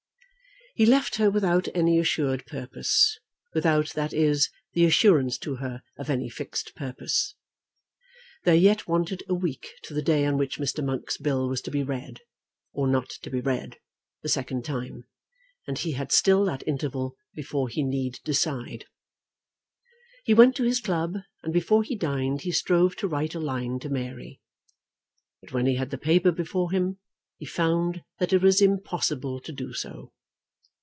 He left her without any assured purpose; without, that is, the assurance to her of any fixed purpose. There yet wanted a week to the day on which Mr. Monk's bill was to be read, or not to be read, the second time; and he had still that interval before he need decide. He went to his club, and before he dined he strove to write a line to Mary; but when he had the paper before him he found that it was impossible to do so.